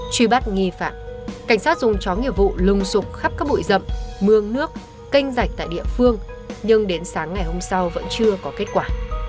truy bắt nghi phạm cảnh sát dùng chó nghiệp vụ lùng sụp khắp các bụi rậm mương nước canh rạch tại địa phương nhưng đến sáng ngày hôm sau vẫn chưa có kết quả